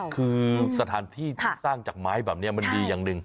คือสถานที่ที่สร้างจากไม้แบบนี้มันมีอย่างหนึ่ง